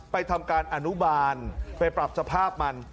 ทำการอนุบาลไปปรับสภาพมัน